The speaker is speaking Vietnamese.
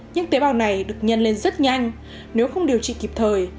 những tế bào này được nhân lên rất nhanh nếu không điều trị kịp thời